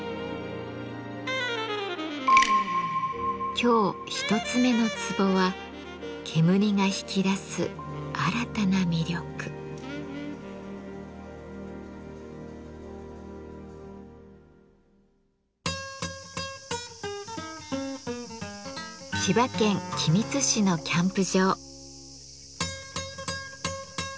今日一つ目のツボは千葉県君津市のキャンプ場。